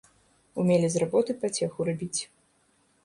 Умелі з работы пацеху рабіць.